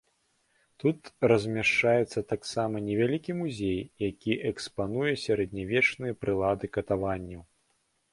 Тут размяшчаецца таксама невялікі музей, які экспануе сярэднявечныя прылады катаванняў.